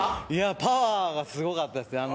パワーがすごかったですね。